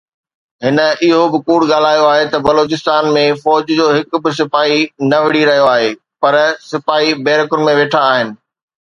هن اهو به ڪوڙ ڳالهايو آهي ته بلوچستان ۾ فوج جو هڪ به سپاهي نه وڙهي رهيو آهي، پر سپاهي بيرڪن ۾ ويٺا آهن.